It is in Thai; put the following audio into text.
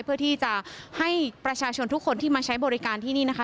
เพื่อที่จะให้ประชาชนทุกคนที่มาใช้บริการที่นี่นะคะ